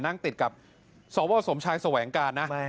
นั่งติดกับสวสมชายแสวงการนะ